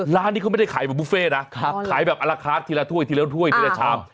ร้านนี้เขาไม่ได้ขายแบบบุฟเฟ่นะขายแบบอัลละขาดทีละถ้วยชาม